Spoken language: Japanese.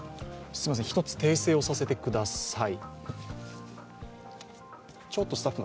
一つ訂正をさせてください。